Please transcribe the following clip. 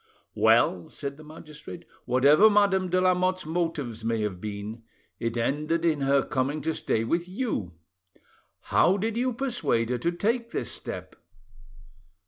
"Well," said the magistrate, "whatever Madame de Lamotte's motives may have been, it ended in her coming to stay with you. How did you persuade her to take this step?"